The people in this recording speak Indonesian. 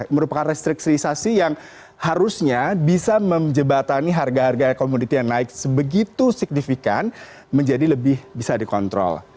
merupakan restriksi yang harusnya bisa menjebatani harga harga komoditi yang naik sebegitu signifikan menjadi lebih bisa dikontrol